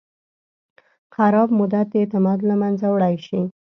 خراب خدمت د اعتماد له منځه وړی شي.